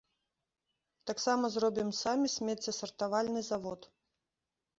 Таксама зробім самі смеццесартавальны завод.